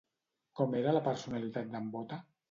Com era la personalitat d'en Bóta?